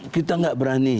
kita nggak berani